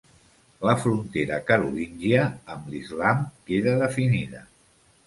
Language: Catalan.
La frontera carolíngia amb l'Islam queda definida.